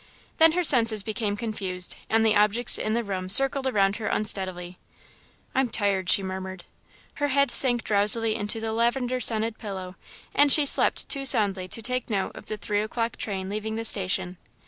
Then her senses became confused and the objects in the room circled around her unsteadily. "I'm tired," she murmured. Her head sank drowsily into the lavender scented pillow and she slept too soundly to take note of the three o'clock train leaving the station.